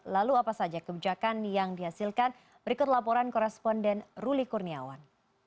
lalu apa saja kebijakan yang dihasilkan berikut laporan koresponden ruli kurniawan